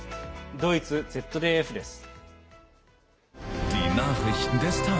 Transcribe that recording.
ドイツＺＤＦです。